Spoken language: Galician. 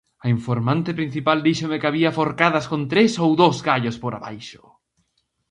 A informante principal díxome que había forcadas con tres ou dous gallos por abaixo.